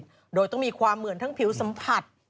โดยต้องมีความเหมือนทั้งผิวสัมผัส